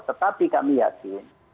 tetapi kami yakin